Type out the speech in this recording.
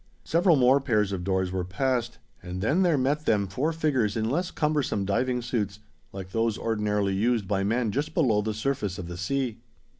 Several more pairs of doors were passed, and then there met them four figures in less cumbersome diving suits, like those ordinarily used by men just below the surface of the sea.